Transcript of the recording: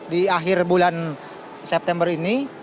di akhir bulan september ini